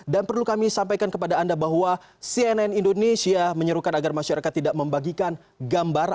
dan perlu kami sampaikan kepada anda bahwa cnn indonesia menyerukan agar masyarakat tidak membagikan gambar